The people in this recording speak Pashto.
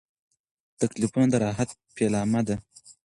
تکلیفونه د راحت پیلامه ده.